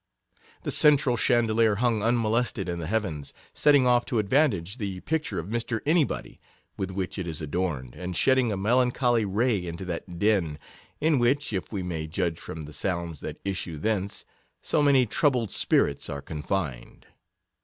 The central chandelier hung unmolested in the heavens, setting off to advantage the picture of Mr. Anybody, with which it is adorned, and shedding a melancholy ray into that den in which (if we may judge from the sounds that issue thence) so many troubled spirits are confined.